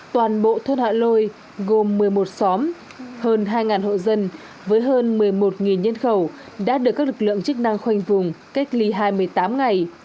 toàn bộ thôn hạ lôi gồm một mươi một xóm hơn hai hộ dân với hơn một mươi một nhân khẩu đã được các lực lượng chức năng khoanh vùng cách ly hai mươi tám ngày